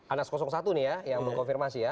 anas satu nih ya yang mengkonfirmasi ya